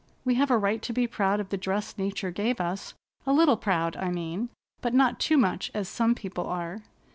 We have a right to be proud of the dress nature gave us a little proud, I mean, but not too much as some people are."